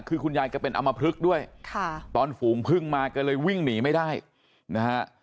คือคุณยายแกเป็นอำมพลึกด้วยค่ะตอนฝูงพึ่งมาแกเลยวิ่งหนีไม่ได้นะฮะ